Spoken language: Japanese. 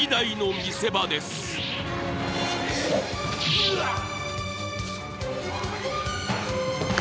うわっ！